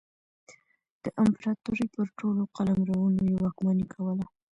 د امپراتورۍ پر ټولو قلمرونو یې واکمني کوله.